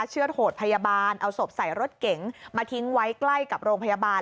เชือดโหดพยาบาลเอาศพใส่รถเก๋งมาทิ้งไว้ใกล้กับโรงพยาบาล